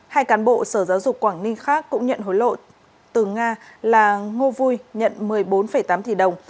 hai cán bộ sở giáo dục quảng ninh khác cũng nhận hối lộ từ nga là ngô vui nhận một mươi bốn tám tỷ đồng